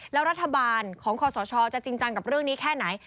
แล้วรัฐบาลของคอสชจะจริงจังกับเรื่องนี้แค่ไหน